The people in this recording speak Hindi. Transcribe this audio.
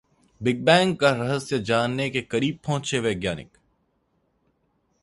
‘बिग बैंग’ का रहस्य जानने के करीब पहुंचे वैज्ञानिक